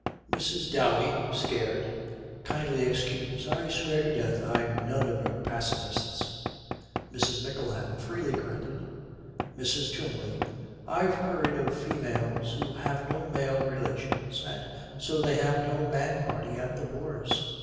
MRS. DOWEY, scared, 'Kindly excuse. I swear to death I'm none of your pacifists.' MRS. MICKLEHAM. 'Freely granted.' MRS. TWYMLEY. 'I've heard of females that have no male relations, and so they have no man party at the wars.